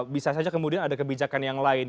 bisa saja kemudian ada kebijakan yang lain